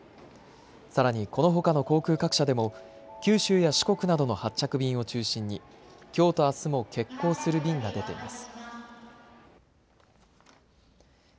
さらに、このほかの航空各社でも九州や四国などの発着便を中心にきょうとあすも欠航する便が出ています。